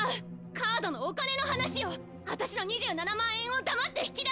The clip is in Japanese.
カードのお金の話よッ！あたしの２７万円を黙って引き出したッ！